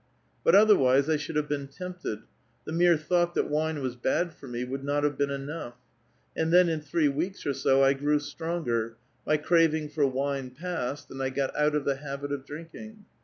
But otherwise I should have been tempted ; the mere thought that wine was bad for me would not have been enough. And then in three weeks or so I grew stronger ; my craving for wine passed, and I got out of the habit of drinking.